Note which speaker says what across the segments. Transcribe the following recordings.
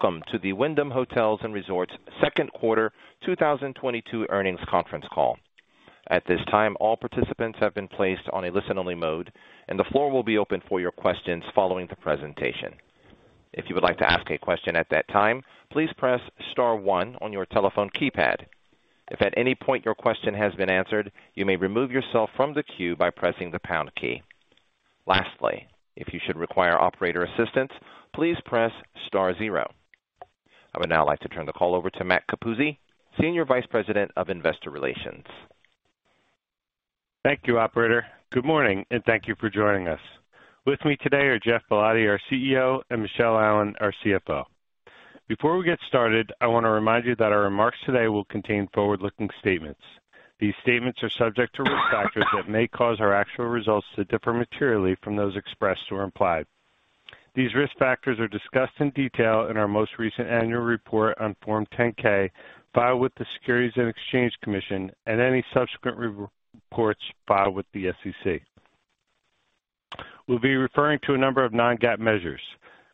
Speaker 1: Welcome to the Wyndham Hotels & Resorts Second Quarter 2022 Earnings Conference Call. At this time, all participants have been placed on a listen-only mode, and the floor will be open for your questions following the presentation. If you would like to ask a question at that time, please press star one on your telephone keypad. If at any point your question has been answered, you may remove yourself from the queue by pressing the pound key. Lastly, if you should require operator assistance, please press star zero. I would now like to turn the call over to Matt Capuzzi, Senior Vice President of Investor Relations.
Speaker 2: Thank you, operator. Good morning, and thank you for joining us. With me today are Geoff Ballotti, our CEO, and Michele Allen, our CFO. Before we get started, I want to remind you that our remarks today will contain forward-looking statements. These statements are subject to risk factors that may cause our actual results to differ materially from those expressed or implied. These risk factors are discussed in detail in our most recent annual report on Form 10-K filed with the Securities and Exchange Commission and any subsequent reports filed with the SEC. We'll be referring to a number of non-GAAP measures.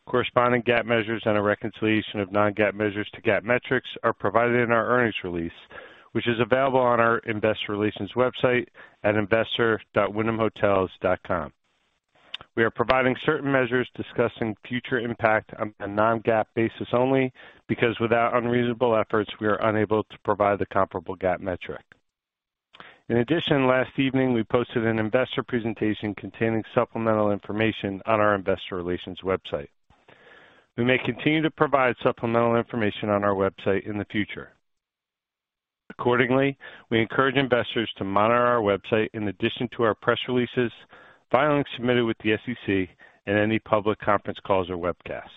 Speaker 2: Corresponding GAAP measures and a reconciliation of non-GAAP measures to GAAP metrics are provided in our earnings release, which is available on our investor relations website at investor.wyndhamhotels.com. We are providing certain measures discussing future impact on a non-GAAP basis only because without unreasonable efforts, we are unable to provide the comparable GAAP metric. In addition, last evening, we posted an investor presentation containing supplemental information on our investor relations website. We may continue to provide supplemental information on our website in the future. Accordingly, we encourage investors to monitor our website in addition to our press releases, filings submitted with the SEC, and any public conference calls or webcasts.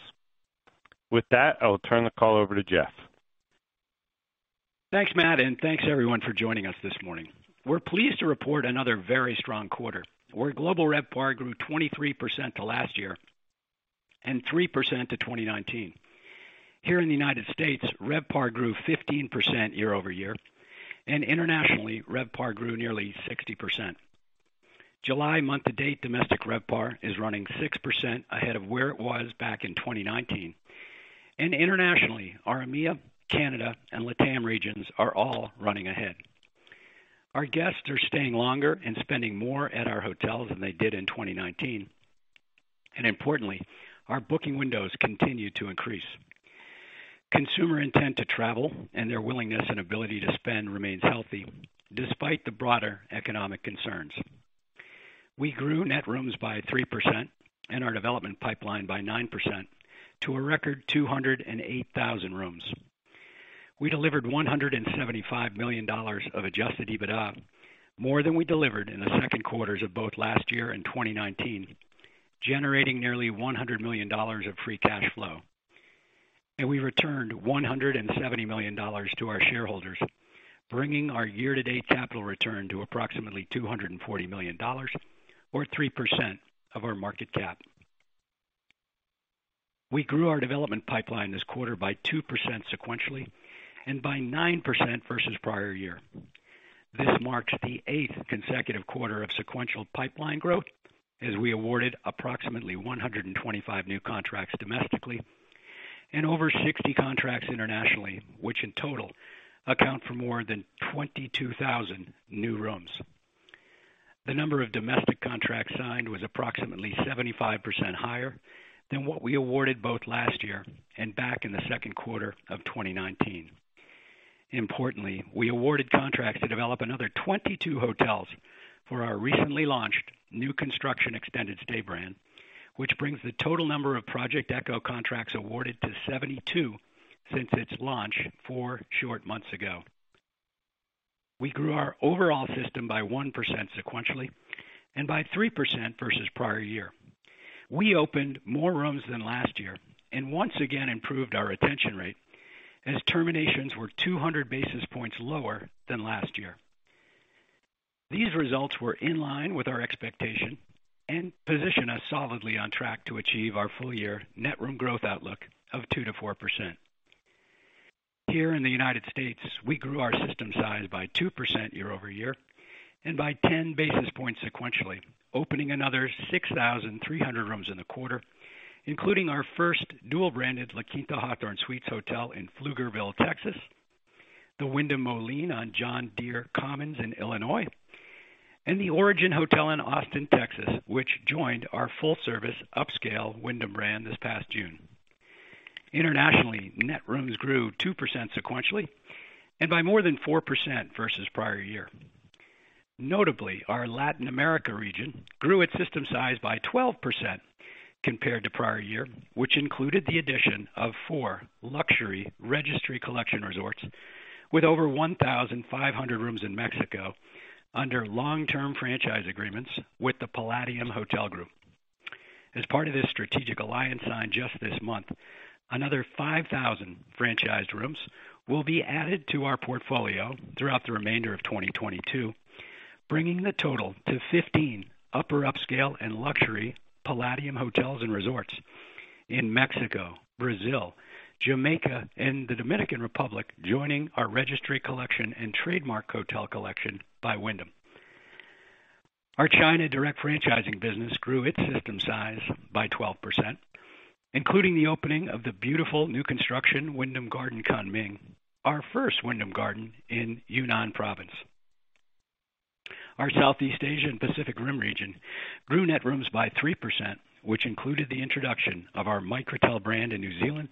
Speaker 2: With that, I will turn the call over to Geoff.
Speaker 3: Thanks, Matt, and thanks everyone for joining us this morning. We're pleased to report another very strong quarter, where global RevPAR grew 23% to last year and 3% to 2019. Here in the United States, RevPAR grew 15% year-over-year, and internationally, RevPAR grew nearly 60%. July month-to-date, domestic RevPAR is running 6% ahead of where it was back in 2019. Internationally, our EMEA, Canada, and LatAM regions are all running ahead. Our guests are staying longer and spending more at our hotels than they did in 2019. Importantly, our booking windows continue to increase. Consumer intent to travel and their willingness and ability to spend remains healthy despite the broader economic concerns. We grew net rooms by 3% and our development pipeline by 9% to a record 208,000 rooms. We delivered $175 million of adjusted EBITDA, more than we delivered in the second quarters of both last year and 2019, generating nearly $100 million of free cash flow. We returned $170 million to our shareholders, bringing our year-to-date capital return to approximately $240 million or 3% of our market cap. We grew our development pipeline this quarter by 2% sequentially and by 9% versus prior year. This marks the eighth consecutive quarter of sequential pipeline growth as we awarded approximately 125 new contracts domestically and over 60 contracts internationally, which in total account for more than 22,000 new rooms. The number of domestic contracts signed was approximately 75% higher than what we awarded both last year and back in the second quarter of 2019. Importantly, we awarded contracts to develop another 22 hotels for our recently launched new construction extended stay brand, which brings the total number of Project ECHO contracts awarded to 72 since its launch four short months ago. We grew our overall system by 1% sequentially and by 3% versus prior year. We opened more rooms than last year and once again improved our retention rate as terminations were 200 basis points lower than last year. These results were in line with our expectation and position us solidly on track to achieve our full-year net room growth outlook of 2%-4%. Here in the United States, we grew our system size by 2% year-over-year and by 10 basis points sequentially, opening another 6,300 rooms in the quarter, including our first dual-branded La Quinta Inn & Suites Hotel in Pflugerville, Texas, the Wyndham Moline on John Deere Commons in Illinois, and the Origin Hotel in Austin, Texas, which joined our full-service upscale Wyndham brand this past June. Internationally, net rooms grew 2% sequentially and by more than 4% versus prior year. Notably, our Latin America region grew its system size by 12% compared to prior year, which included the addition of four luxury Registry Collection resorts with over 1,500 rooms in Mexico under long-term franchise agreements with the Palladium Hotel Group. As part of this strategic alliance signed just this month, another 5,000 franchised rooms will be added to our portfolio throughout the remainder of 2022, bringing the total to 15 upper upscale and luxury Palladium Hotel Group in Mexico, Brazil, Jamaica, and the Dominican Republic, joining our Registry Collection and Trademark Collection by Wyndham. Our China direct franchising business grew its system size by 12%, including the opening of the beautiful new construction Wyndham Garden Kunming, our first Wyndham Garden in Yunnan Province. Our Southeast Asia and Pacific Rim region grew net rooms by 3%, which included the introduction of our Microtel brand in New Zealand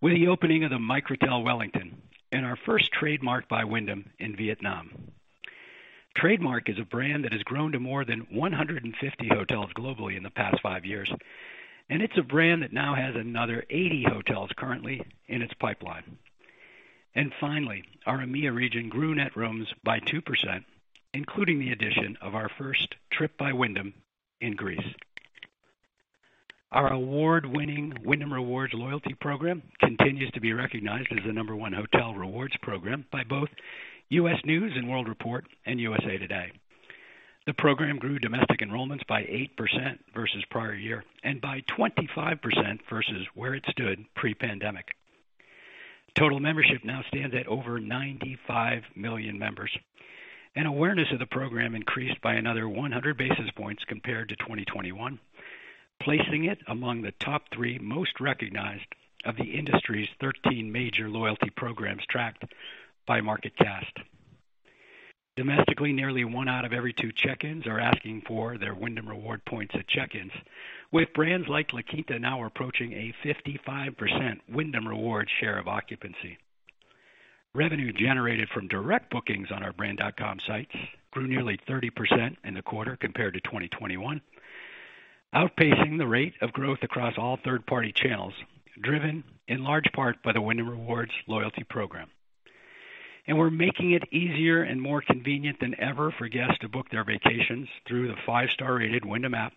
Speaker 3: with the opening of the Microtel by Wyndham Wellington, and our first Trademark Collection by Wyndham in Vietnam. Trademark is a brand that has grown to more than 150 hotels globally in the past five years, and it's a brand that now has another 80 hotels currently in its pipeline. Finally, our EMEA region grew net rooms by 2%, including the addition of our first TRYP by Wyndham in Greece. Our award-winning Wyndham Rewards Loyalty Program continues to be recognized as the number one hotel rewards program by both U.S. News & World Report and USA Today. The program grew domestic enrollments by 8% versus prior year, and by 25% versus where it stood pre-pandemic. Total membership now stands at over 95 million members, and awareness of the program increased by another 100 basis points compared to 2021, placing it among the top three most recognized of the industry's 13 major loyalty programs tracked by MarketCast. Domestically, nearly one out of every two check-ins are asking for their Wyndham Rewards points at check-ins, with brands like La Quinta now approaching a 55% Wyndham Rewards share of occupancy. Revenue generated from direct bookings on our brand.com sites grew nearly 30% in the quarter compared to 2021, outpacing the rate of growth across all third-party channels, driven in large part by the Wyndham Rewards loyalty program. We're making it easier and more convenient than ever for guests to book their vacations through the five-star rated Wyndham app,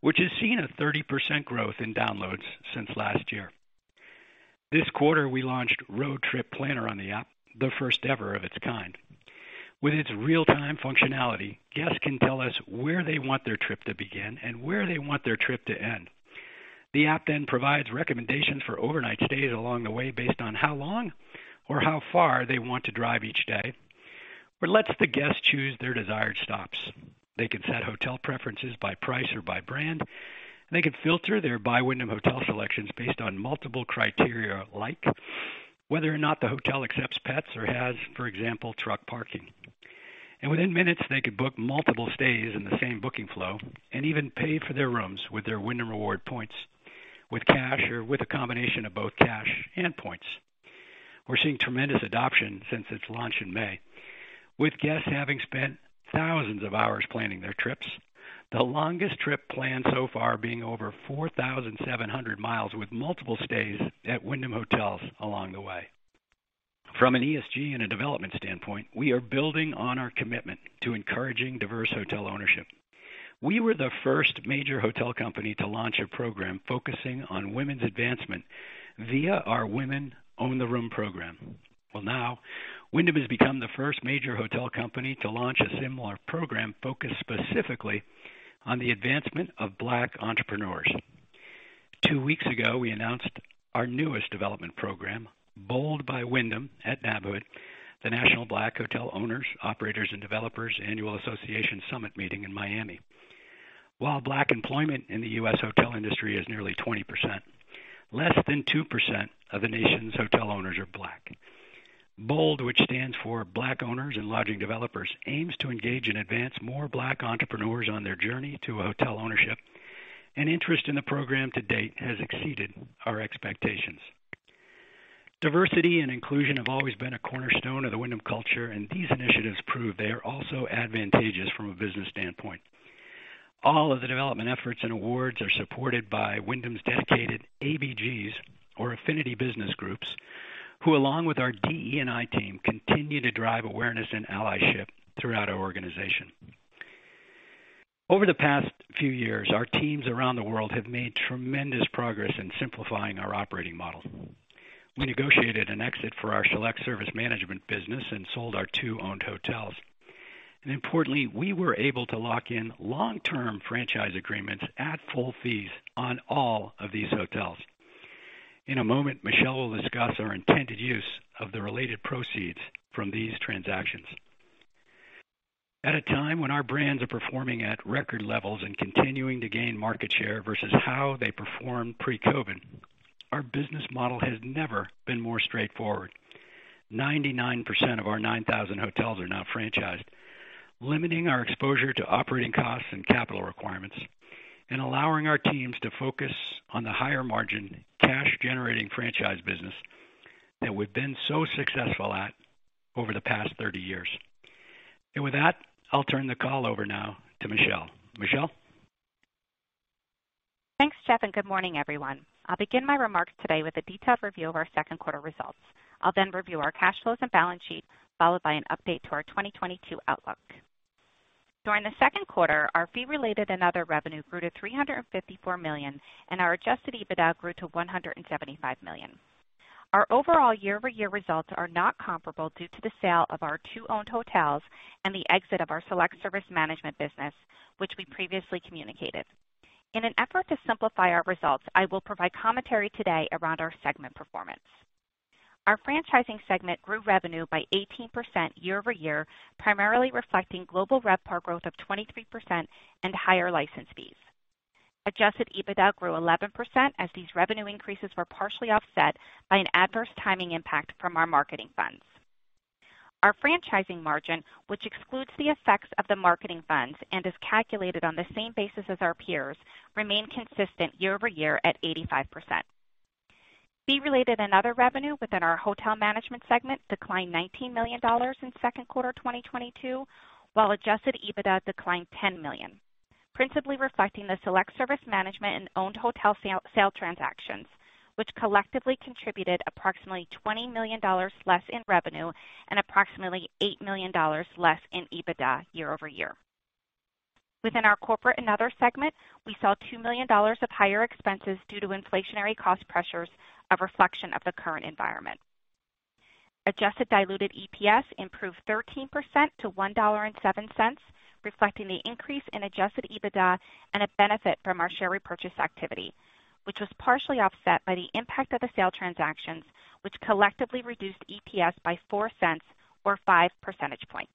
Speaker 3: which has seen a 30% growth in downloads since last year. This quarter, we launched Road Trip Planner on the app, the first ever of its kind. With its real-time functionality, guests can tell us where they want their trip to begin and where they want their trip to end. The app then provides recommendations for overnight stays along the way based on how long or how far they want to drive each day, or lets the guests choose their desired stops. They can set hotel preferences by price or by brand. They can filter their by Wyndham hotel selections based on multiple criteria like whether or not the hotel accepts pets or has, for example, truck parking. Within minutes, they could book multiple stays in the same booking flow and even pay for their rooms with their Wyndham Rewards points, with cash, or with a combination of both cash and points. We're seeing tremendous adoption since its launch in May, with guests having spent thousands of hours planning their trips. The longest trip planned so far being over 4,700 miles with multiple stays at Wyndham hotels along the way. From an ESG and a development standpoint, we are building on our commitment to encouraging diverse hotel ownership. We were the first major hotel company to launch a program focusing on women's advancement via our Women Own the Room program. Well, now Wyndham has become the first major hotel company to launch a similar program focused specifically on the advancement of Black entrepreneurs. Two weeks ago, we announced our newest development program, BOLD by Wyndham at NABHOOD, the National Association of Black Hotel Owners, Operators & Developers annual association summit meeting in Miami. While Black employment in the U.S. hotel industry is nearly 20%, less than 2% of the nation's hotel owners are Black. BOLD, which stands for Black Owners and Lodging Developers, aims to engage and advance more Black entrepreneurs on their journey to hotel ownership, and interest in the program to date has exceeded our expectations. Diversity and inclusion have always been a cornerstone of the Wyndham culture, and these initiatives prove they are also advantageous from a business standpoint. All of the development efforts and awards are supported by Wyndham's dedicated ABGs or Affinity Business Groups, who, along with our DE&I team, continue to drive awareness and allyship throughout our organization. Over the past few years, our teams around the world have made tremendous progress in simplifying our operating model. We negotiated an exit for our Select Service Management business and sold our two owned hotels. Importantly, we were able to lock in long-term franchise agreements at full fees on all of these hotels. In a moment, Michele will discuss our intended use of the related proceeds from these transactions. At a time when our brands are performing at record levels and continuing to gain market share versus how they performed pre-COVID, our business model has never been more straightforward. 99% of our 9,000 hotels are now franchised, limiting our exposure to operating costs and capital requirements and allowing our teams to focus on the higher margin cash generating franchise business that we've been so successful at over the past 30 years. With that, I'll turn the call over now to Michele. Michele?
Speaker 4: Thanks, Geoff, and good morning, everyone. I'll begin my remarks today with a detailed review of our second quarter results. I'll then review our cash flows and balance sheet, followed by an update to our 2022 outlook. During the second quarter, our fee-related and other revenue grew to $354 million, and our adjusted EBITDA grew to $175 million. Our overall year-over-year results are not comparable due to the sale of our two owned hotels and the exit of our select service management business, which we previously communicated. In an effort to simplify our results, I will provide commentary today around our segment performance. Our franchising segment grew revenue by 18% year-over-year, primarily reflecting global RevPAR growth of 23% and higher license fees. Adjusted EBITDA grew 11% as these revenue increases were partially offset by an adverse timing impact from our marketing funds. Our franchising margin, which excludes the effects of the marketing funds and is calculated on the same basis as our peers, remained consistent year-over-year at 85%. Fee related and other revenue within our hotel management segment declined $19 million in second quarter 2022, while adjusted EBITDA declined $10 million, principally reflecting the select service management and owned hotel sale transactions, which collectively contributed approximately $20 million less in revenue and approximately $8 million less in EBITDA year-over-year. Within our corporate and other segment, we saw $2 million of higher expenses due to inflationary cost pressures, a reflection of the current environment. Adjusted diluted EPS improved 13% to $1.07, reflecting the increase in adjusted EBITDA and a benefit from our share repurchase activity, which was partially offset by the impact of the sale transactions, which collectively reduced EPS by $0.04 or 5 percentage points.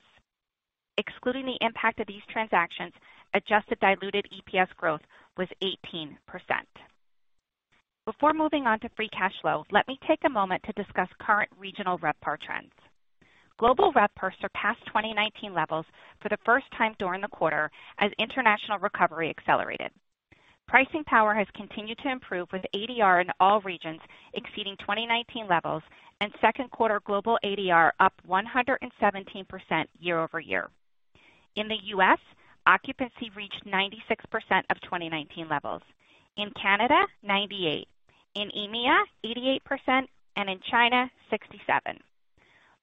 Speaker 4: Excluding the impact of these transactions, adjusted diluted EPS growth was 18%. Before moving on to free cash flow, let me take a moment to discuss current regional RevPAR trends. Global RevPAR surpassed 2019 levels for the first time during the quarter as international recovery accelerated. Pricing power has continued to improve with ADR in all regions exceeding 2019 levels and second quarter global ADR up 117% year-over-year. In the U.S., occupancy reached 96% of 2019 levels. In Canada, 98%, in EMEA, 88%, and in China, 67%.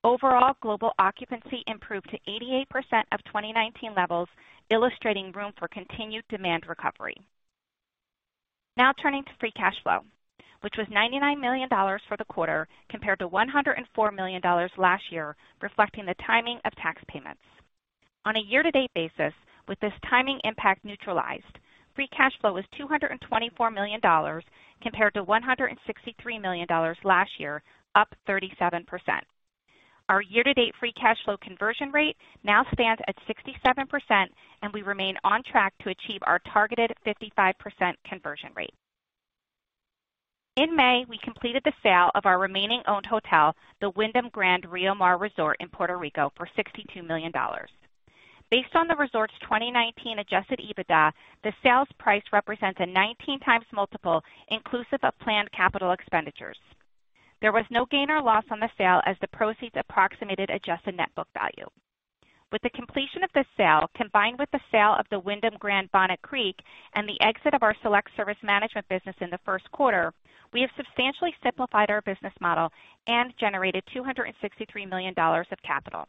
Speaker 4: Overall, global occupancy improved to 88% of 2019 levels, illustrating room for continued demand recovery. Now turning to free cash flow, which was $99 million for the quarter, compared to $104 million last year, reflecting the timing of tax payments. On a year-to-date basis, with this timing impact neutralized, free cash flow was $224 million compared to $163 million last year, up 37%. Our year-to-date free cash flow conversion rate now stands at 67%, and we remain on track to achieve our targeted 55% conversion rate. In May, we completed the sale of our remaining owned hotel, the Wyndham Grand Rio Mar Resort in Puerto Rico, for $62 million. Based on the resort's 2019 adjusted EBITDA, the sales price represents a 19x multiple inclusive of planned capital expenditures. There was no gain or loss on the sale as the proceeds approximated adjusted net book value. With the completion of this sale, combined with the sale of the Wyndham Grand Orlando Resort Bonnet Creek and the exit of our select service management business in the first quarter, we have substantially simplified our business model and generated $263 million of capital.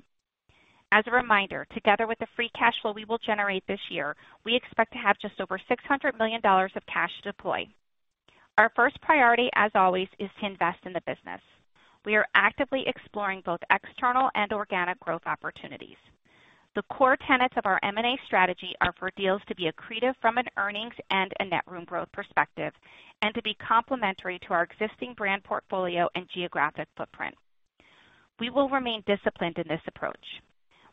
Speaker 4: As a reminder, together with the free cash flow we will generate this year, we expect to have just over $600 million of cash to deploy. Our first priority, as always, is to invest in the business. We are actively exploring both external and organic growth opportunities. The core tenets of our M&A strategy are for deals to be accretive from an earnings and a net room growth perspective, and to be complementary to our existing brand portfolio and geographic footprint. We will remain disciplined in this approach.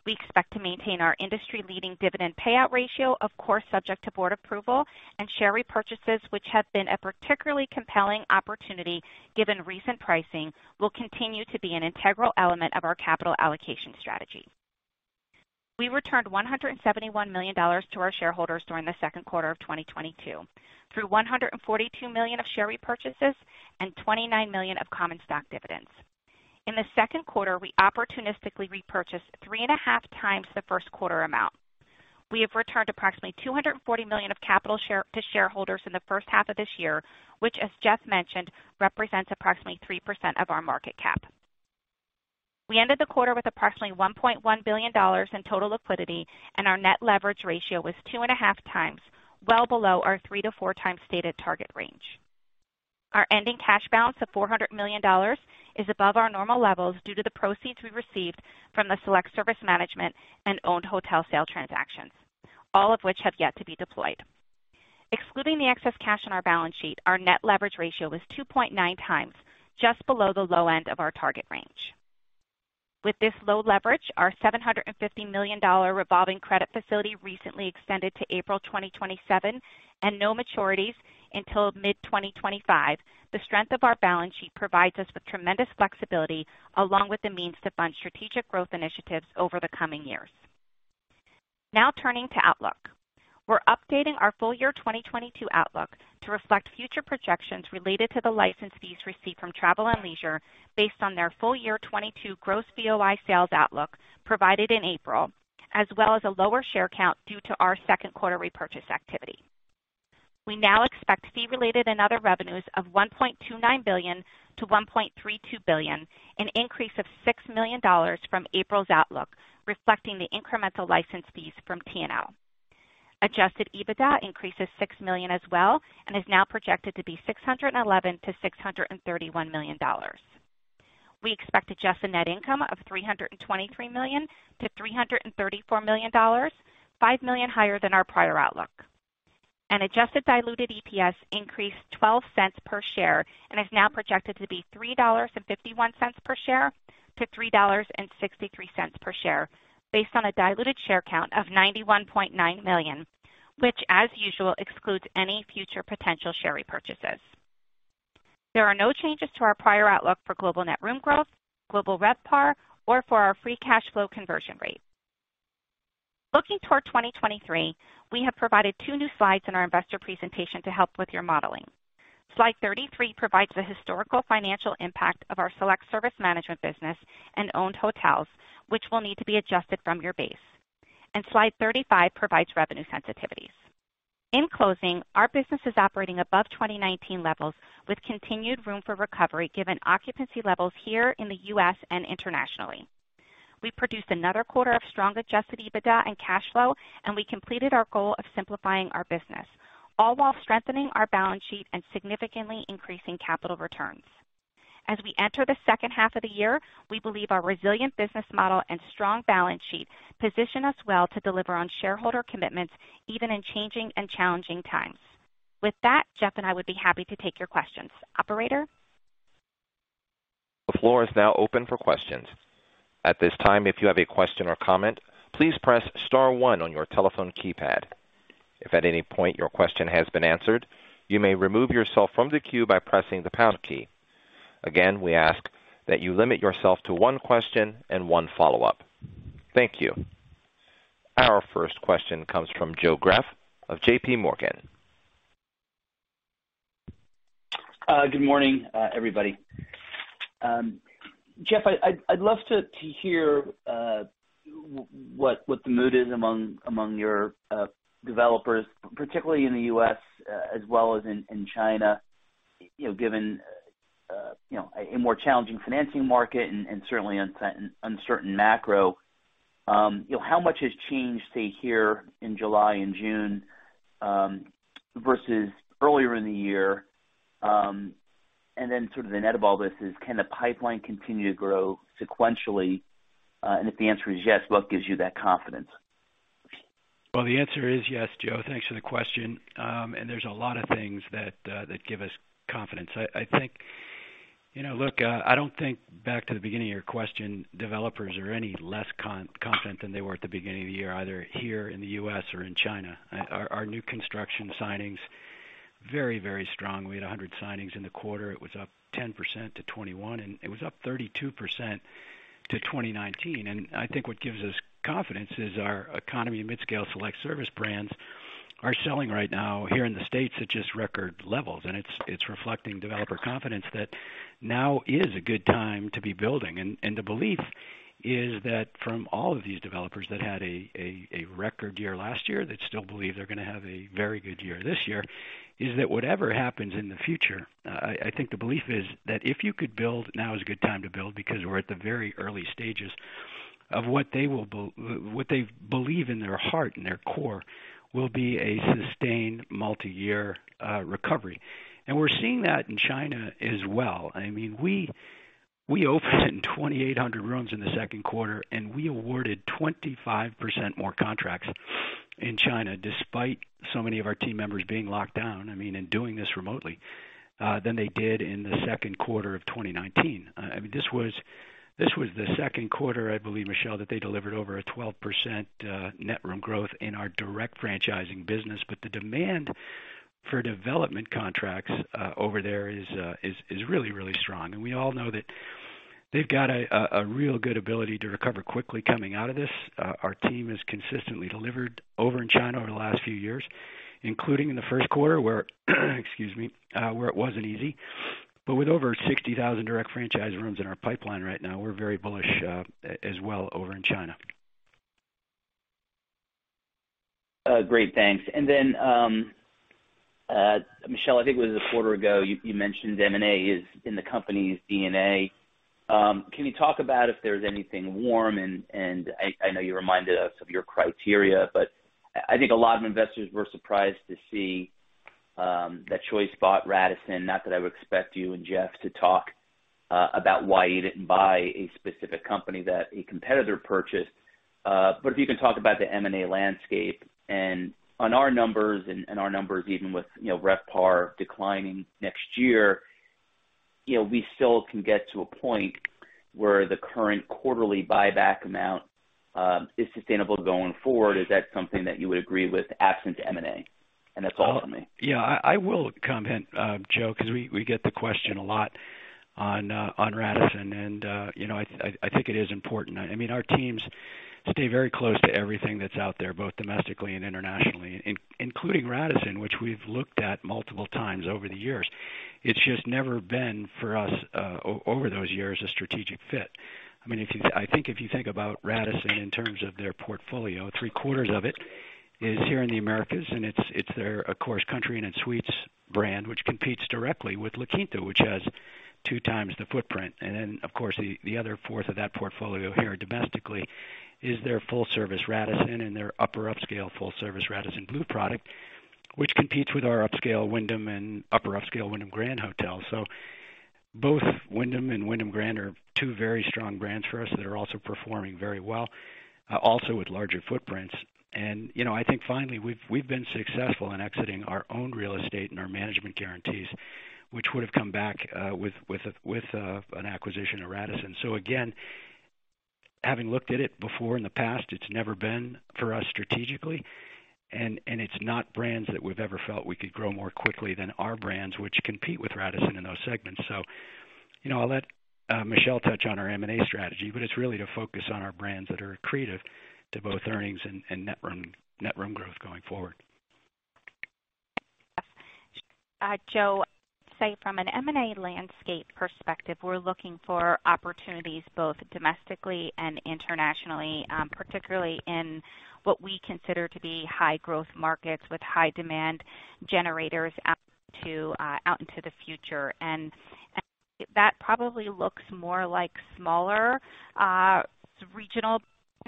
Speaker 4: We expect to maintain our industry leading dividend payout ratio, of course, subject to board approval and share repurchases, which have been a particularly compelling opportunity given recent pricing will continue to be an integral element of our capital allocation strategy. We returned $171 million to our shareholders during the second quarter of 2022 through $142 million of share repurchases and $29 million of common stock dividends. In the second quarter, we opportunistically repurchased 3.5x the first quarter amount. We have returned approximately $240 million of capital to shareholders in the first half of this year, which as Geoff mentioned, represents approximately 3% of our market cap. We ended the quarter with approximately $1.1 billion in total liquidity, and our net leverage ratio was 2.5x, well below our 3x-4x stated target range. Our ending cash balance of $400 million is above our normal levels due to the proceeds we received from the select service management and owned hotel sale transactions, all of which have yet to be deployed. Excluding the excess cash on our balance sheet, our net leverage ratio was 2.9x just below the low end of our target range. With this low leverage, our $750 million revolving credit facility recently extended to April 2027 and no maturities until mid-2025. The strength of our balance sheet provides us with tremendous flexibility along with the means to fund strategic growth initiatives over the coming years. Now, turning to outlook. We're updating our full-year 2022 outlook to reflect future projections related to the license fees received from Travel + Leisure based on their full-year 2022 gross VOI sales outlook provided in April, as well as a lower share count due to our second quarter repurchase activity. We now expect fee related and other revenues of $1.29 billion-$1.32 billion, an increase of $6 million from April's outlook, reflecting the incremental license fees from Travel + Leisure. Adjusted EBITDA increases $6 million as well, and is now projected to be $611 million-$631 million. We expect adjusted net income of $323 million-$334 million, $5 million higher than our prior outlook. Adjusted diluted EPS increased $0.12 per share and is now projected to be $3.51-$3.63 per share based on a diluted share count of 91.9 million, which as usual excludes any future potential share repurchases. There are no changes to our prior outlook for global net room growth, global RevPAR, or for our free cash flow conversion rate. Looking toward 2023, we have provided two new slides in our investor presentation to help with your modeling. Slide 33 provides the historical financial impact of our select service management business and owned hotels, which will need to be adjusted from your base. Slide 35 provides revenue sensitivities. In closing, our business is operating above 2019 levels with continued room for recovery, given occupancy levels here in the U.S. and internationally. We produced another quarter of strong adjusted EBITDA and cash flow, and we completed our goal of simplifying our business, all while strengthening our balance sheet and significantly increasing capital returns. As we enter the second half of the year, we believe our resilient business model and strong balance sheet position us well to deliver on shareholder commitments even in changing and challenging times. With that, Geoff and I would be happy to take your questions. Operator?
Speaker 1: The floor is now open for questions. At this time, if you have a question or comment, please press star one on your telephone keypad. If at any point your question has been answered, you may remove yourself from the queue by pressing the pound key. Again, we ask that you limit yourself to one question and one follow-up. Thank you. Our first question comes from Joe Greff of JPMorgan.
Speaker 5: Good morning, everybody. Geoff, I'd love to hear what the mood is among your developers, particularly in the U.S. as well as in China, you know, given a more challenging financing market and certainly uncertain macro. You know, how much has changed, say, here in July and June, versus earlier in the year? Sort of the net of all this is, can the pipeline continue to grow sequentially? If the answer is yes, what gives you that confidence?
Speaker 3: Well, the answer is yes, Joe. Thanks for the question. There's a lot of things that give us confidence. I think, you know, look, I don't think back to the beginning of your question, developers are any less confident than they were at the beginning of the year, either here in the U.S. or in China. Our new construction signings very strong. We had 100 signings in the quarter. It was up 10% to 2021, and it was up 32% to 2019. I think what gives us confidence is our economy and midscale select service brands are selling right now here in the States at just record levels. It's reflecting developer confidence that now is a good time to be building. The belief is that from all of these developers that had a record year last year, that still believe they're going to have a very good year this year, is that whatever happens in the future, I think the belief is that if you could build, now is a good time to build because we're at the very early stages of what they believe in their heart and their core will be a sustained multiyear recovery. We're seeing that in China as well. I mean, we opened 2,800 rooms in the second quarter, and we awarded 25% more contracts in China, despite so many of our team members being locked down, I mean, and doing this remotely, than they did in the second quarter of 2019. I mean, this was the second quarter, I believe, Michele, that they delivered over 12% net room growth in our direct franchising business. The demand for development contracts over there is really, really strong. We all know that they've got a real good ability to recover quickly coming out of this. Our team has consistently delivered over in China the last few years, including in the first quarter where it wasn't easy. With over 60,000 direct franchise rooms in our pipeline right now, we're very bullish as well over in China.
Speaker 5: Great, thanks. Then Michele, I think it was a quarter ago you mentioned M&A is in the company's DNA. Can you talk about if there's anything warm? I know you reminded us of your criteria, but I think a lot of investors were surprised to see that Choice bought Radisson. Not that I would expect you and Geoff to talk about why you didn't buy a specific company that a competitor purchased. If you can talk about the M&A landscape and our numbers, even with, you know, RevPAR declining next year, you know, we still can get to a point where the current quarterly buyback amount is sustainable going forward. Is that something that you would agree with absent M&A? That's all for me.
Speaker 3: Yeah, I will comment, Joe, because we get the question a lot on Radisson, and you know, I think it is important. I mean, our teams stay very close to everything that's out there, both domestically and internationally, including Radisson, which we've looked at multiple times over the years. It's just never been for us, over those years, a strategic fit. I mean, I think if you think about Radisson in terms of their portfolio, 3/4 of it is here in the Americas, and it's their, of course, Country Inn & Suites brand, which competes directly with La Quinta, which has two times the footprint. Of course, the other fourth of that portfolio here domestically is their full-service Radisson and their upper-upscale full-service Radisson Blu product, which competes with our Wyndham Garden and upper-upscale Wyndham Grand. Both Wyndham Garden and Wyndham Grand are two very strong brands for us that are also performing very well, also with larger footprints. You know, I think finally, we've been successful in exiting our own real estate and our management guarantees, which would have come back with an acquisition of Radisson. Again, having looked at it before in the past, it's never been for us strategically, and it's not brands that we've ever felt we could grow more quickly than our brands, which compete with Radisson in those segments. You know, I'll let Michele touch on our M&A strategy, but it's really to focus on our brands that are accretive to both earnings and net room growth going forward.
Speaker 4: Joe, so from an M&A landscape perspective, we're looking for opportunities both domestically and internationally, particularly in what we consider to be high growth markets with high demand generators out into the future. That probably looks more like smaller, regional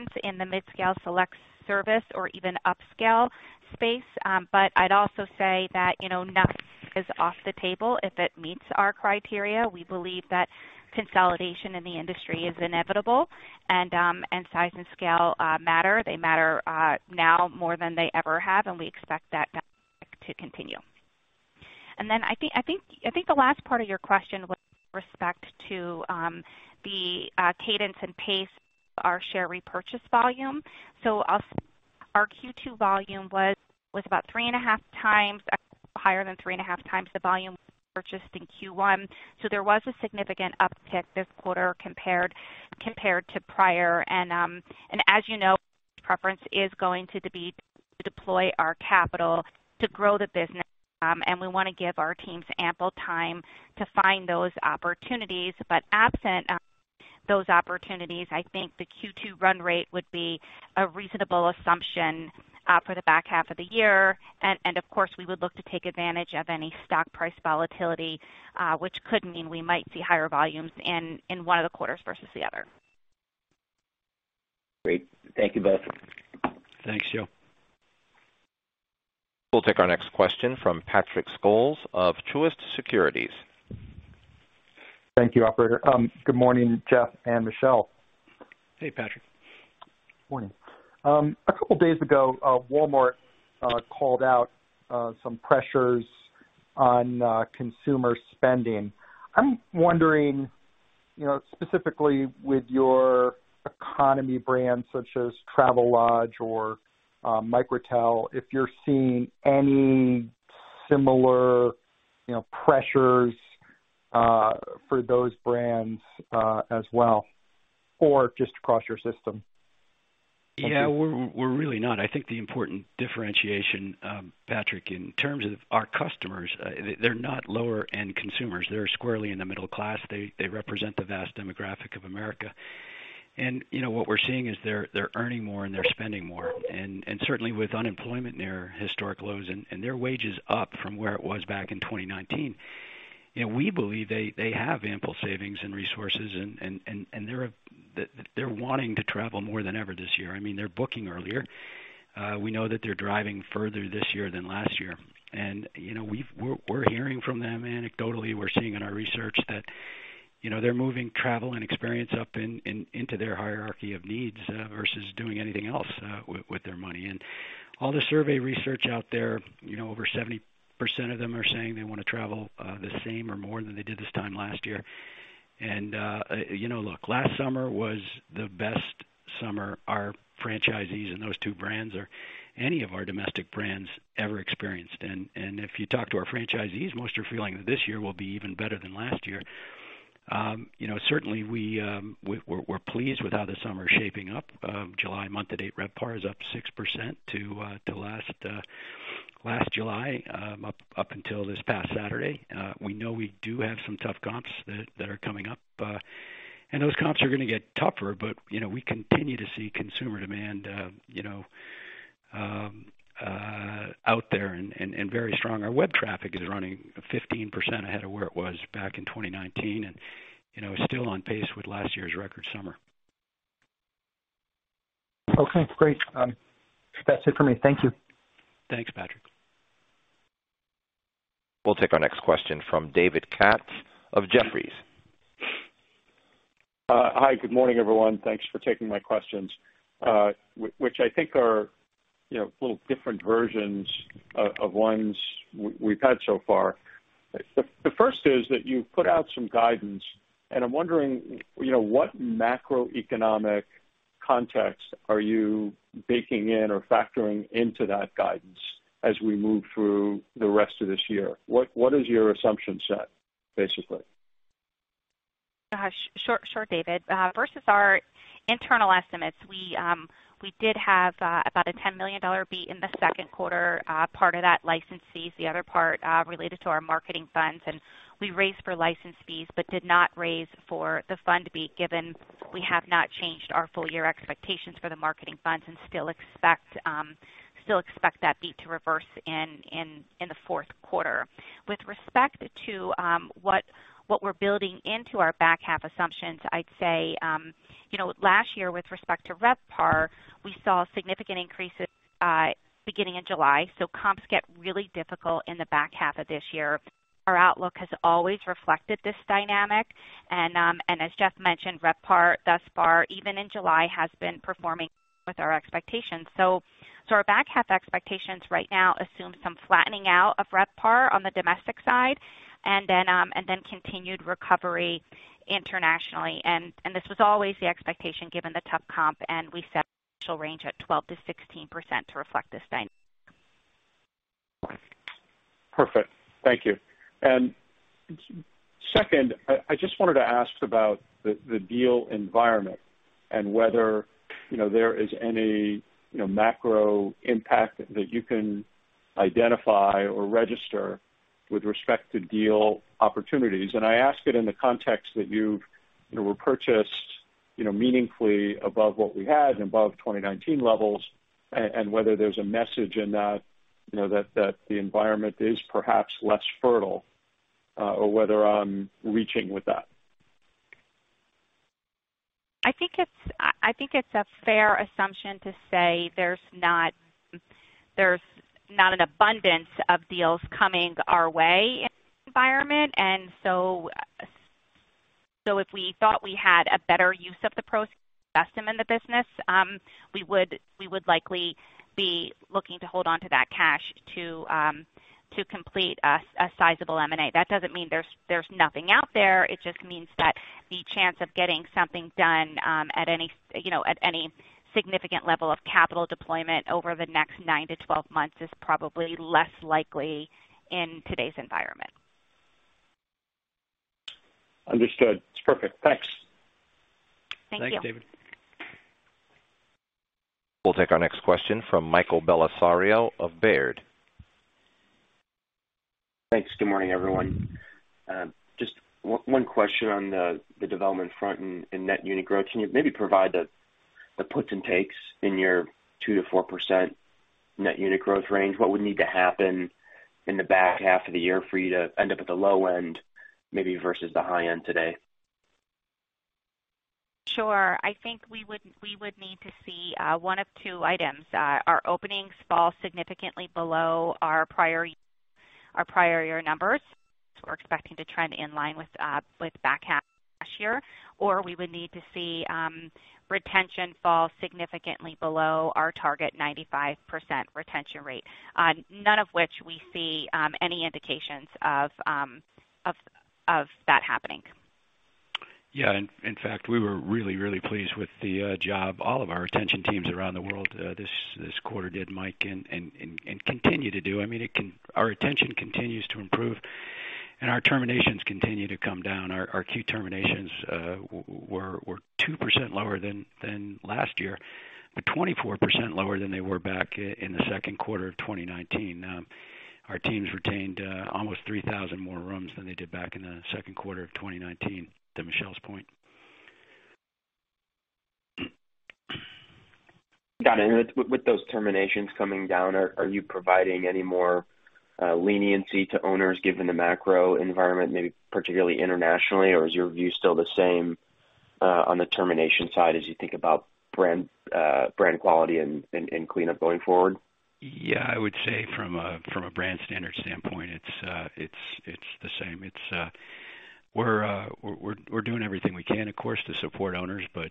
Speaker 4: brands in the midscale select service or even upscale space. But I'd also say that, you know, nothing is off the table if it meets our criteria. We believe that consolidation in the industry is inevitable, and size and scale matter. They matter now more than they ever have, and we expect that dynamic to continue. I think the last part of your question was with respect to the cadence and pace of our share repurchase volume. I'll say our Q2 volume was about 3.5x, higher than 3.5x the volume purchased in Q1. There was a significant uptick this quarter compared to prior. As you know, preference is going to be to deploy our capital to grow the business. We wanna give our teams ample time to find those opportunities. Absent those opportunities, I think the Q2 run rate would be a reasonable assumption for the back half of the year. Of course, we would look to take advantage of any stock price volatility, which could mean we might see higher volumes in one of the quarters versus the other.
Speaker 5: Great. Thank you both.
Speaker 3: Thanks, Joe.
Speaker 1: We'll take our next question from Patrick Scholes of Truist Securities.
Speaker 6: Thank you, operator. Good morning, Geoff and Michele.
Speaker 3: Hey, Patrick.
Speaker 6: Morning. A couple days ago, Walmart called out some pressures on consumer spending. I'm wondering, you know, specifically with your economy brands, such as Travelodge or Microtel, if you're seeing any similar, you know, pressures for those brands as well, or just across your system?
Speaker 3: Yeah, we're really not. I think the important differentiation, Patrick, in terms of our customers, they're not lower-end consumers. They're squarely in the middle class. They represent the vast demographic of America. You know, what we're seeing is they're earning more, and they're spending more. Certainly with unemployment near historic lows and their wages up from where it was back in 2019, you know, we believe they have ample savings and resources, and they're wanting to travel more than ever this year. I mean, they're booking earlier. We know that they're driving further this year than last year. You know, we're hearing from them anecdotally, we're seeing in our research that, you know, they're moving travel and experience up into their hierarchy of needs versus doing anything else with their money. All the survey research out there, you know, over 70% of them are saying they wanna travel the same or more than they did this time last year. You know, look, last summer was the best summer our franchisees in those two brands or any of our domestic brands ever experienced. If you talk to our franchisees, most are feeling that this year will be even better than last year. You know, certainly we're pleased with how the summer is shaping up. July month-to-date RevPAR is up 6% to last July, up until this past Saturday. We know we do have some tough comps that are coming up, and those comps are gonna get tougher. You know, we continue to see consumer demand out there and very strong. Our web traffic is running 15% ahead of where it was back in 2019 and, you know, is still on pace with last year's record summer.
Speaker 6: Okay, great. That's it for me. Thank you.
Speaker 3: Thanks, Patrick.
Speaker 1: We'll take our next question from David Katz of Jefferies.
Speaker 7: Hi. Good morning, everyone. Thanks for taking my questions, which I think are, you know, little different versions of ones we've had so far. The first is that you put out some guidance, and I'm wondering, you know, what macroeconomic context are you baking in or factoring into that guidance as we move through the rest of this year? What is your assumption set, basically?
Speaker 4: Gosh. Sure, David. Versus our internal estimates, we did have about a $10 million beat in the second quarter, part of that license fees, the other part related to our marketing funds. We raised for license fees but did not raise for the fund beat, given we have not changed our full-year expectations for the marketing funds and still expect that beat to reverse in the fourth quarter. With respect to what we're building into our back half assumptions, I'd say, you know, last year, with respect to RevPAR, we saw significant increases beginning in July. Comps get really difficult in the back half of this year. Our outlook has always reflected this dynamic. As Geoff mentioned, RevPAR thus far, even in July, has been performing with our expectations. Our back half expectations right now assume some flattening out of RevPAR on the domestic side and then continued recovery internationally. This was always the expectation given the tough comp, and we set the range at 12%-16% to reflect this dynamic.
Speaker 7: Perfect. Thank you. Second, I just wanted to ask about the deal environment and whether, you know, there is any, you know, macro impact that you can identify or register with respect to deal opportunities. I ask it in the context that you've, you know, repurchased, you know, meaningfully above what we had above 2019 levels, and whether there's a message in that, you know, that the environment is perhaps less fertile, or whether I'm reaching with that.
Speaker 4: I think it's a fair assumption to say there's not an abundance of deals coming our way in this environment. If we thought we had a better use of the proceeds to invest them in the business, we would likely be looking to hold on to that cash to complete a sizable M&A. That doesn't mean there's nothing out there. It just means that the chance of getting something done at any, you know, significant level of capital deployment over the next 9-12 months is probably less likely in today's environment.
Speaker 7: Understood. It's perfect. Thanks.
Speaker 4: Thank you.
Speaker 3: Thanks, David.
Speaker 1: We'll take our next question from Michael Bellisario of Baird.
Speaker 8: Thanks. Good morning, everyone. Just one question on the development front in net unit growth. Can you maybe provide the puts and takes in your 2%-4% net unit growth range? What would need to happen in the back half of the year for you to end up at the low end, maybe versus the high end today?
Speaker 4: Sure. I think we would need to see one of two items. Our openings fall significantly below our prior year numbers. We're expecting to trend in line with back half last year, or we would need to see retention fall significantly below our target 95% retention rate, none of which we see any indications of that happening.
Speaker 3: Yeah. In fact, we were really pleased with the job all of our retention teams around the world this quarter did, Mike, and continue to do. I mean, our retention continues to improve and our terminations continue to come down. Our Q-terminations were 2% lower than last year, but 24% lower than they were back in the second quarter of 2019. Our teams retained almost 3,000 more rooms than they did back in the second quarter of 2019, to Michele's point.
Speaker 8: Got it. With those terminations coming down, are you providing any more leniency to owners given the macro environment, maybe particularly internationally, or is your view still the same on the termination side as you think about brand quality and clean up going forward?
Speaker 3: Yeah, I would say from a brand standard standpoint, it's the same. It's, we're doing everything we can, of course, to support owners, but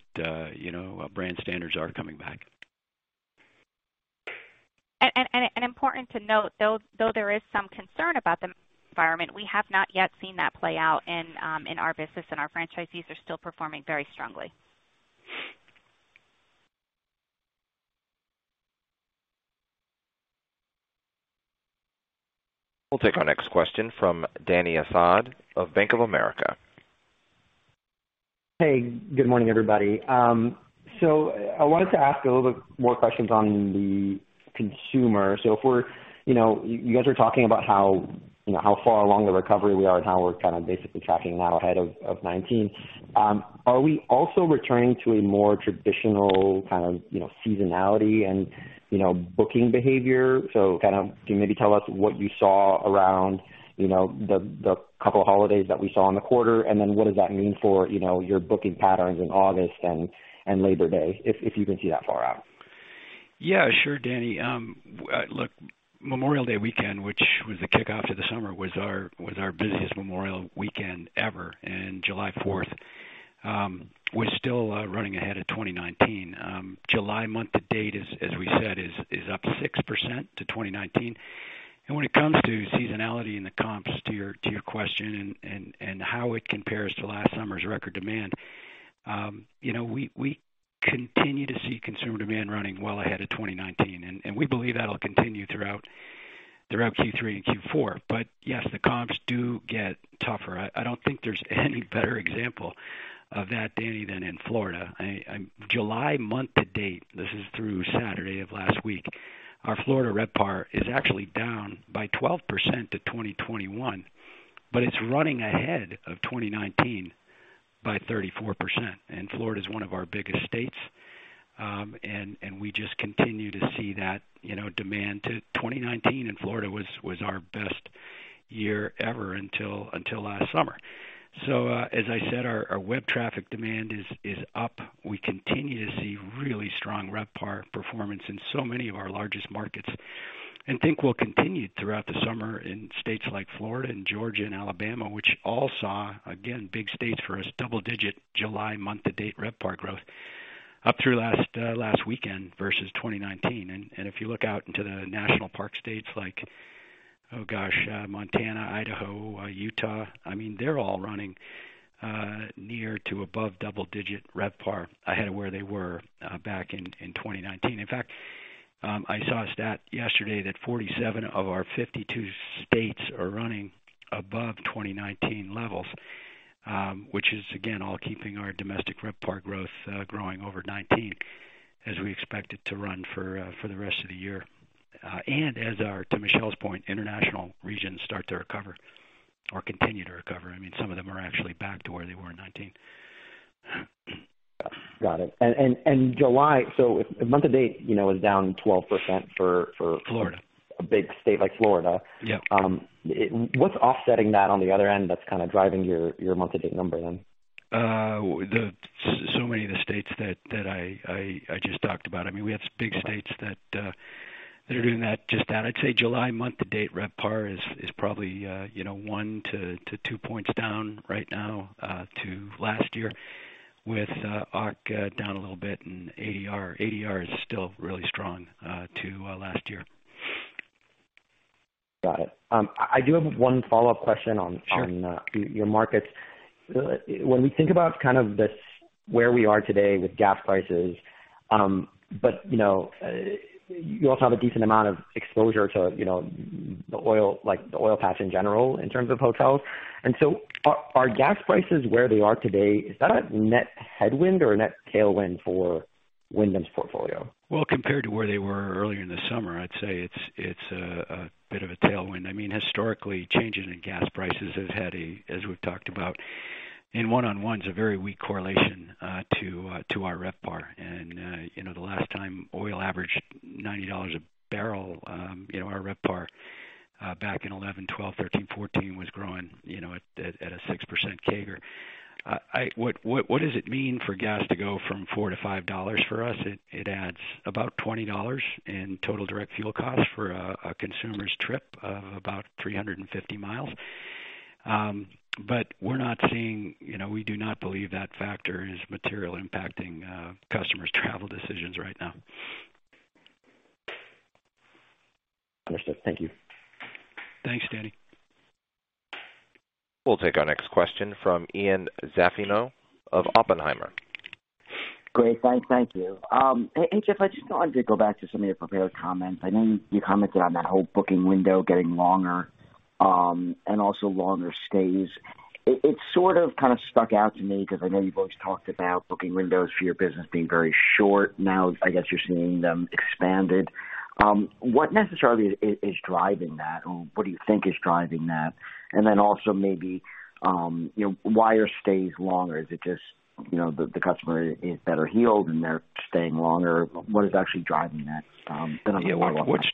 Speaker 3: you know, brand standards are coming back.
Speaker 4: Important to note, though there is some concern about the environment, we have not yet seen that play out in our business, and our franchisees are still performing very strongly.
Speaker 1: We'll take our next question from Dany Asad of Bank of America.
Speaker 9: Hey, good morning, everybody. I wanted to ask a little bit more questions on the consumer. If we're you know, you guys are talking about how, you know, how far along the recovery we are and how we're kind of basically tracking now ahead of 2019. Are we also returning to a more traditional kind of, you know, seasonality and, you know, booking behavior? Kind of can you maybe tell us what you saw around, you know, the couple holidays that we saw in the quarter, and then what does that mean for, you know, your booking patterns in August and Labor Day, if you can see that far out?
Speaker 3: Yeah, sure, Dany. Look, Memorial Day weekend, which was the kickoff to the summer, was our busiest Memorial Day weekend ever. July Fourth, we're still running ahead of 2019. July month-to-date is, as we said, up 6% to 2019. When it comes to seasonality in the comps to your question and how it compares to last summer's record demand, you know, we continue to see consumer demand running well ahead of 2019, and we believe that'll continue throughout Q3 and Q4. Yes, the comps do get tougher. I don't think there's any better example of that, Dany, than in Florida. In July month-to-date, this is through Saturday of last week. Our Florida RevPAR is actually down by 12% to 2021, but it's running ahead of 2019 by 34%. Florida is one of our biggest states. We just continue to see that, you know, demand to 2019 in Florida was our best year ever until last summer. As I said, our web traffic demand is up. We continue to see really strong RevPAR performance in so many of our largest markets and think we'll continue throughout the summer in states like Florida and Georgia and Alabama, which all saw, again, big states for us, double-digit July month-to-date RevPAR growth up through last weekend versus 2019. If you look out into the national park states like Montana, Idaho, Utah, I mean, they're all running near to above double-digit RevPAR ahead of where they were back in 2019. In fact, I saw a stat yesterday that 47 of our 52 states are running above 2019 levels, which is, again, all keeping our domestic RevPAR growth growing over 2019 as we expect it to run for the rest of the year. As our, to Michele's point, international regions start to recover or continue to recover. I mean, some of them are actually back to where they were in 2019.
Speaker 9: Got it. July, so if month-to-date, you know, is down 12% for-
Speaker 3: Florida.
Speaker 9: ...a big state like Florida.
Speaker 3: Yeah.
Speaker 9: What's offsetting that on the other end that's kind of driving your month-to-date number then?
Speaker 3: Many of the states that I just talked about. I mean, we have big states that are doing that just that. I'd say July month-to-date RevPAR is probably, you know, 1-2 points down right now to last year with OCC down a little bit and ADR is still really strong to last year.
Speaker 9: Got it. I do have one follow-up question on-
Speaker 3: Sure.
Speaker 9: ...your markets. When we think about kind of this, where we are today with gas prices, but you know, you also have a decent amount of exposure to, you know, the oil, like, the oil patch in general in terms of hotels. Are gas prices where they are today, is that a net headwind or a net tailwind for Wyndham's portfolio?
Speaker 3: Well, compared to where they were earlier in the summer, I'd say it's a bit of a tailwind. I mean, historically, changes in gas prices have had, as we've talked about in one-on-ones, a very weak correlation to our RevPAR. You know, the last time oil averaged $90 a barrel, you know, our RevPAR back in 2011, 2012, 2013, 2014 was growing, you know, at a 6% CAGR. What does it mean for gas to go from $4 to $5 for us? It adds about $20 in total direct fuel costs for a consumer's trip of about 350 mi. But we're not seeing, you know, we do not believe that factor is materially impacting customers' travel decisions right now.
Speaker 9: Understood. Thank you.
Speaker 3: Thanks, Dany.
Speaker 1: We'll take our next question from Ian Zaffino of Oppenheimer.
Speaker 10: Great. Thank you. Hey, Geoff, I just wanted to go back to some of your prepared comments. I know you commented on that whole booking window getting longer, and also longer stays. It sort of kind of stuck out to me because I know you've always talked about booking windows for your business being very short. Now I guess you're seeing them expanded. What necessarily is driving that, or what do you think is driving that? And then also maybe, you know, why are stays longer? Is it just, you know, the customer is better heeled and they're staying longer? What is actually driving that? I've got one more.
Speaker 3: Yeah.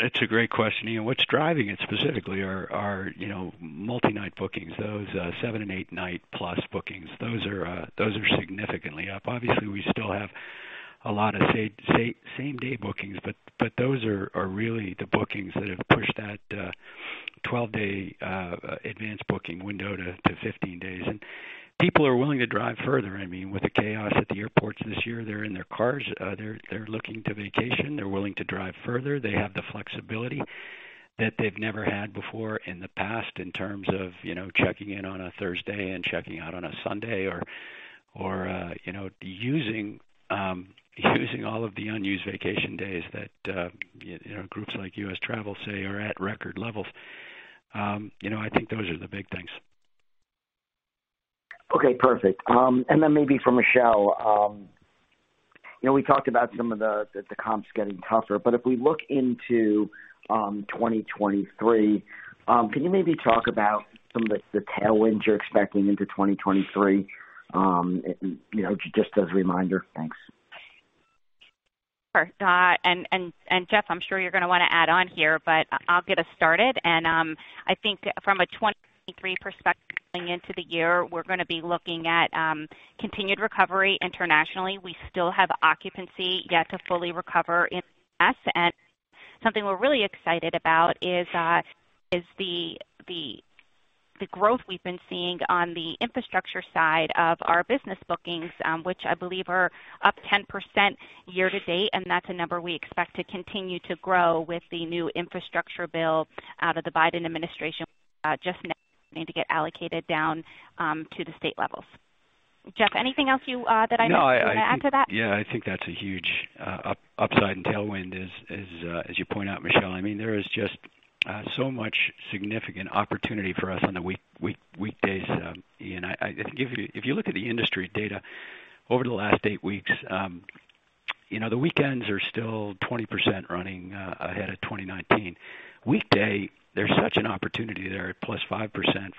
Speaker 3: That's a great question. You know, what's driving it specifically are multi-night bookings. Those 7- and 8-night-plus bookings, those are significantly up. Obviously, we still have a lot of same-day bookings, but those are really the bookings that have pushed that 12-day advance booking window to 15 days. People are willing to drive further. I mean, with the chaos at the airports this year, they're in their cars. They're looking to vacation. They're willing to drive further. They have the flexibility that they've never had before in the past in terms of, you know, checking in on a Thursday and checking out on a Sunday or, you know, using all of the unused vacation days that, you know, groups like U.S. Travel say are at record levels. You know, I think those are the big things.
Speaker 10: Okay, perfect. Maybe for Michele, you know, we talked about some of the comps getting tougher, but if we look into 2023, can you maybe talk about some of the tailwinds you're expecting into 2023? You know, just as a reminder. Thanks.
Speaker 4: Sure. And Geoff, I'm sure you're gonna wanna add on here, but I'll get us started. I think from a 2023 perspective going into the year, we're gonna be looking at continued recovery internationally. We still have occupancy yet to fully recover in the U.S., and something we're really excited about is the growth we've been seeing on the infrastructure side of our business bookings, which I believe are up 10% year to date, and that's a number we expect to continue to grow with the new infrastructure bill out of the Biden administration just now needing to get allocated down to the state levels. Geoff, anything else that I missed or you wanna add to that?
Speaker 3: No, I think that's a huge upside and tailwind as you point out, Michele. I mean, there is just so much significant opportunity for us on the weekdays. Ian, I think if you look at the industry data over the last eight weeks, you know, the weekends are still 20% running ahead of 2019. Weekdays, there's such an opportunity there at +5%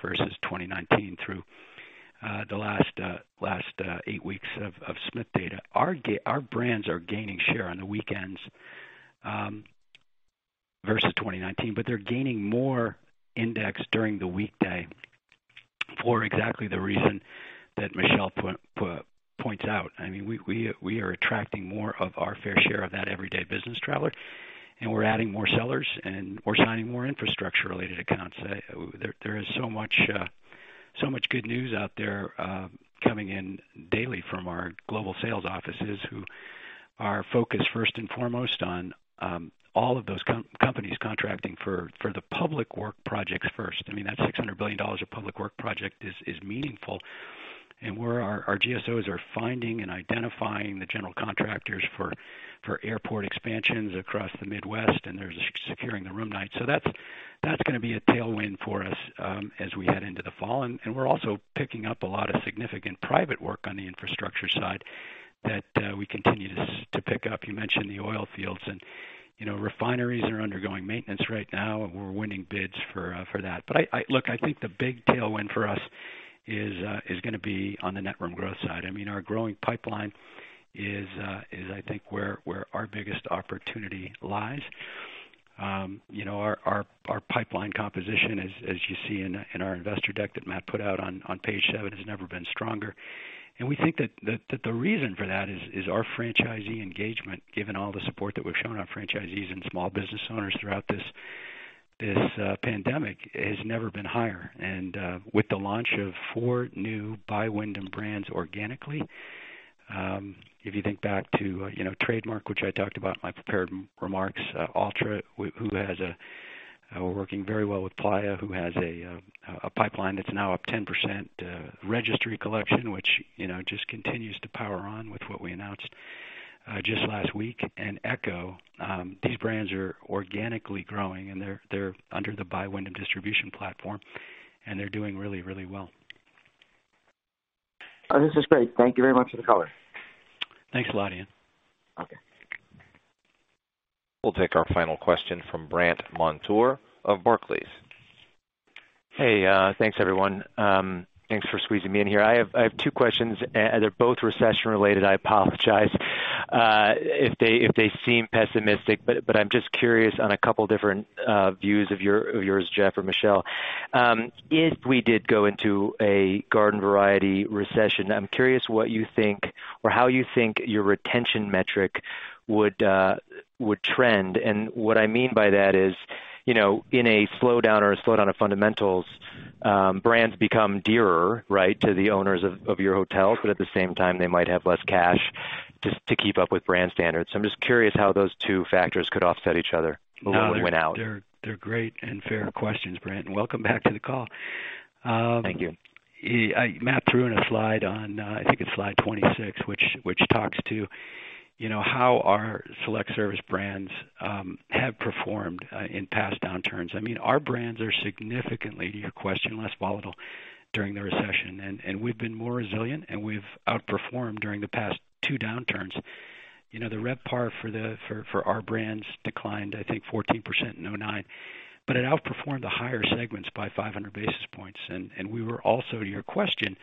Speaker 3: versus 2019 through the last eight weeks of STR data. Our brands are gaining share on the weekends versus 2019, but they're gaining more index during the weekday for exactly the reason that Michele points out. I mean, we are attracting more of our fair share of that everyday business traveler, and we're adding more sellers, and we're signing more infrastructure related accounts. There is so much good news out there, coming in daily from our global sales offices, who are focused first and foremost on all of those companies contracting for the public work projects first. I mean, that $600 billion of public work project is meaningful, and our GSOs are finding and identifying the general contractors for airport expansions across the Midwest, and they're securing the room nights. That's gonna be a tailwind for us, as we head into the fall. We're also picking up a lot of significant private work on the infrastructure side that we continue to pick up. You mentioned the oil fields, you know, refineries are undergoing maintenance right now, and we're winning bids for that. Look, I think the big tailwind for us is gonna be on the net room growth side. I mean, our growing pipeline is I think where our biggest opportunity lies. You know, our pipeline composition as you see in our investor deck that Matt put out on page seven has never been stronger. We think that the reason for that is our franchisee engagement, given all the support that we've shown our franchisees and small business owners throughout this pandemic has never been higher. With the launch of four new by Wyndham brands organically, if you think back to, you know, Trademark, which I talked about in my prepared remarks, Alltra, we're working very well with Playa, who has a pipeline that's now up 10%, registry collection, which, you know, just continues to power on with what we announced just last week. ECHO, these brands are organically growing, and they're under the by Wyndham distribution platform, and they're doing really, really well.
Speaker 10: Oh, this is great. Thank you very much for the color.
Speaker 3: Thanks a lot, Ian.
Speaker 10: Okay.
Speaker 1: We'll take our final question from Brandt Montour of Barclays.
Speaker 11: Hey, thanks, everyone. Thanks for squeezing me in here. I have two questions, and they're both recession related. I apologize if they seem pessimistic, but I'm just curious on a couple different views of yours, Geoff or Michele. If we did go into a garden variety recession, I'm curious what you think or how you think your retention metric would trend. What I mean by that is, you know, in a slowdown of fundamentals, brands become dearer, right? To the owners of your hotels, but at the same time, they might have less cash to keep up with brand standards. I'm just curious how those two factors could offset each other when out.
Speaker 3: No, they're great and fair questions, Brandt, and welcome back to the call.
Speaker 11: Thank you.
Speaker 3: Matt threw in a slide on, I think it's slide 26, which talks to, you know, how our select service brands have performed in past downturns. I mean, our brands are significantly, to your question, less volatile during the recession. We've been more resilient, and we've outperformed during the past two downturns. You know, the RevPAR for our brands declined, I think 14% in 2009, but it outperformed the higher segments by 500 basis points. We were also, to your question,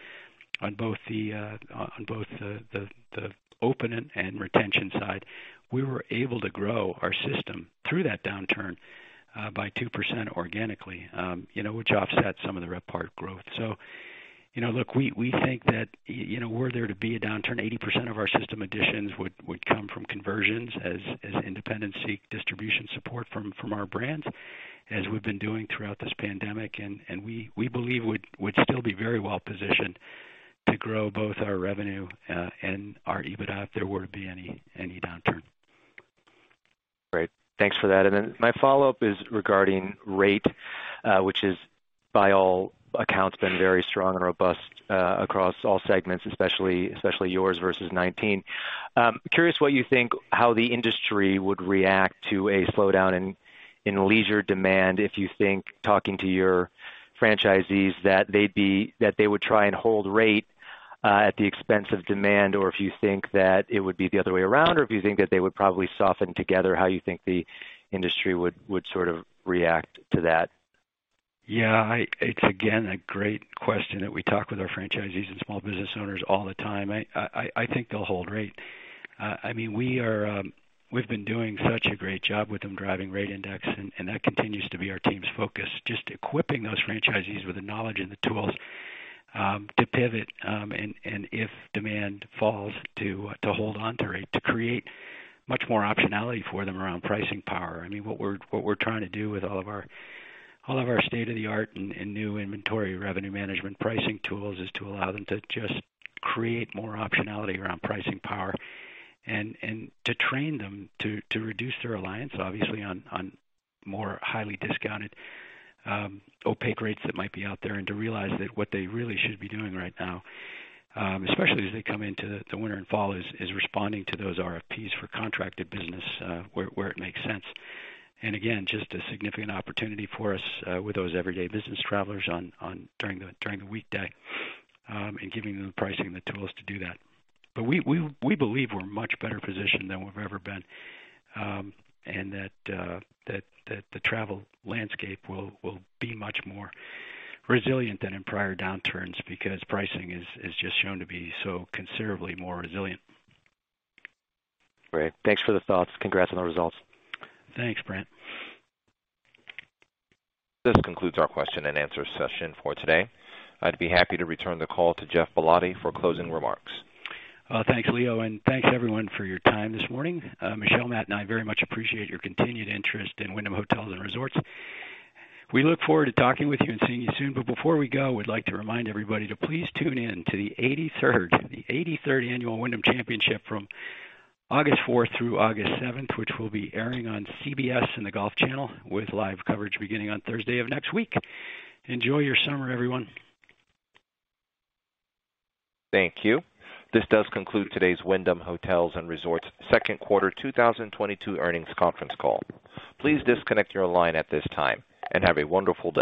Speaker 3: on both the open and retention side, we were able to grow our system through that downturn by 2% organically, you know, which offsets some of the RevPAR growth. Look, we think that if there were to be a downturn, 80% of our system additions would come from conversions as independents seek distribution support from our brands, as we've been doing throughout this pandemic. We believe we'd still be very well positioned to grow both our revenue and our EBITDA if there were to be any downturn.
Speaker 11: Great. Thanks for that. Then my follow-up is regarding rate, which is by all accounts been very strong and robust, across all segments, especially yours versus 2019. Curious what you think how the industry would react to a slowdown in leisure demand, if you think talking to your franchisees, that they would try and hold rate, at the expense of demand, or if you think that it would be the other way around, or if you think that they would probably soften together, how you think the industry would sort of react to that.
Speaker 3: Yeah, it's again, a great question that we talk with our franchisees and small business owners all the time. I think they'll hold rate. I mean, we've been doing such a great job with them driving rate index, and that continues to be our team's focus. Just equipping those franchisees with the knowledge and the tools to pivot and if demand falls, to hold on to rate, to create much more optionality for them around pricing power. I mean, what we're trying to do with all of our state-of-the-art and new inventory revenue management pricing tools is to allow them to just create more optionality around pricing power and to train them to reduce their reliance, obviously, on more highly discounted opaque rates that might be out there and to realize that what they really should be doing right now, especially as they come into the winter and fall, is responding to those RFPs for contracted business, where it makes sense. Again, just a significant opportunity for us with those everyday business travelers on during the weekday and giving them the pricing and the tools to do that. We believe we're much better positioned than we've ever been, and that the travel landscape will be much more resilient than in prior downturns because pricing is just shown to be so considerably more resilient.
Speaker 11: Great. Thanks for the thoughts. Congrats on the results.
Speaker 3: Thanks, Brandt.
Speaker 1: This concludes our question and answer session for today. I'd be happy to return the call to Geoff Ballotti for closing remarks.
Speaker 3: Thanks, Leo, and thanks everyone for your time this morning. Michele, Matt, and I very much appreciate your continued interest in Wyndham Hotels & Resorts. We look forward to talking with you and seeing you soon. Before we go, we'd like to remind everybody to please tune in to the eighty-third annual Wyndham Championship from August 4th through August 7th, which will be airing on CBS and Golf Channel with live coverage beginning on Thursday of next week. Enjoy your summer, everyone.
Speaker 1: Thank you. This does conclude today's Wyndham Hotels & Resorts second quarter 2022 earnings conference call. Please disconnect your line at this time, and have a wonderful day.